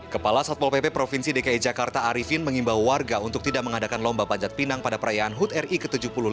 kepala satpol pp provinsi dki jakarta arifin mengimbau warga untuk tidak mengadakan lomba panjat pinang pada perayaan hut ri ke tujuh puluh lima